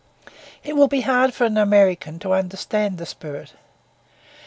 It will be hard for an American to understand the spirit.